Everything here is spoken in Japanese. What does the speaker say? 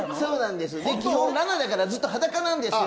裸奈だからずっと裸なんですよ。